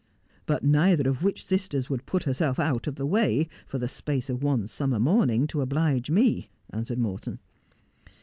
'But neither of which sisters would put herself out of the way for the space of one summer morning to oblige me,' answered Morton.